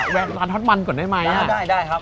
แวะร้านฮอตมันก่อนได้ไหมอ่ะได้ครับ